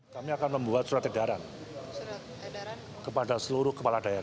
kami akan membuat surat edaran yang lebih cermat dalam menetapkan kebijakan kebijakan